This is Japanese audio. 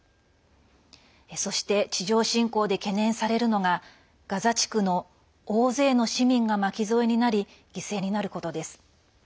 そして地上侵攻で懸念されるのがガザ地区の大勢の市民が巻き添えになり犠牲になることです。